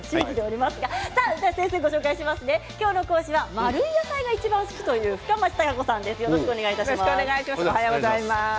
今日の講師は丸い野菜がいちばん好きという深町貴子さんです。